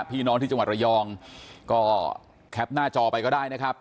พี่น้องที่จังหวัดระยองก็แคปหน้าจอไปก็ได้นะครับ